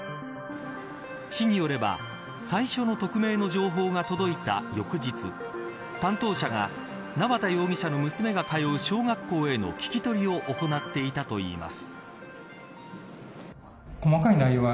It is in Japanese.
市によれば最初の匿名の情報が届いた翌日担当者が、縄田容疑者の娘が通う小学校への聞き取りを行っていたといいます。